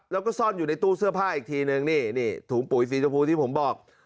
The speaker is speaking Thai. แล้วก็ซ่อนอยู่ในตู้เสื้อผ้าอีกทีนึงนี่นี่ถุงปุ๋ยสีชมพูที่ผมบอก